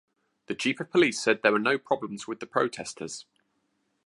The chief of Police said there were no problems with the protesters.